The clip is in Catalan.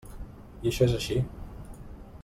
I això és així.